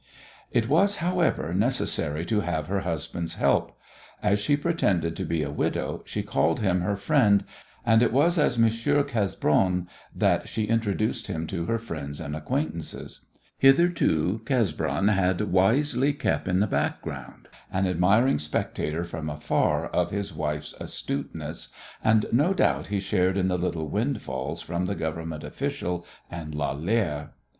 It was, however, necessary to have her husband's help. As she pretended to be a widow, she called him her friend, and it was as Monsieur Cesbron that she introduced him to her friends and acquaintances. Hitherto Cesbron had wisely kept in the background, an admiring spectator from afar of his wife's astuteness, and no doubt he shared in the little windfalls from the Government official and Lalère.